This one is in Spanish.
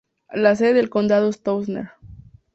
La sede del condado es Towner.